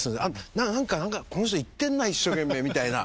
何かこの人言ってんな一生懸命みたいな。